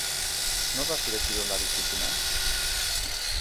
Nor da zure kirolari kuttuna?